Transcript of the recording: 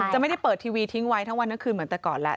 ไม่ได้เปิดทีวีทิ้งไว้ทั้งวันทั้งคืนเหมือนแต่ก่อนแหละ